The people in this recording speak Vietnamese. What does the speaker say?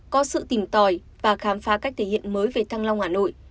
có sự tìm tòi và khám phá cách thể hiện mới về thăng long hà nội